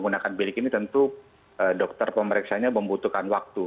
menggunakan bilik ini tentu dokter pemeriksanya membutuhkan waktu